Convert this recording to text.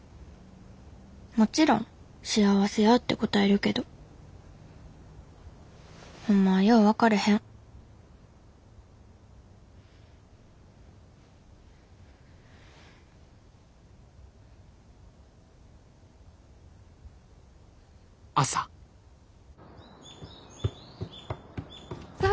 もちろん「幸せや」って答えるけどほんまはよう分かれへん咲妃起きて。